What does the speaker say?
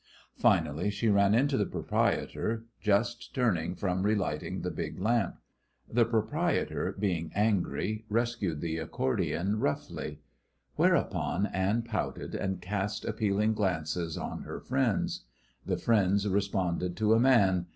Finally she ran into the proprietor, just turning from relighting the big lamp. The proprietor, being angry, rescued the accordion roughly; whereupon Anne pouted and cast appealing glances on her friends. The friends responded to a man.